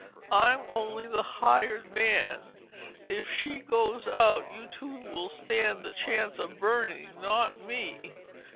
I'm only the hired man. If she goes out, you two will stand the chance of burning, not me.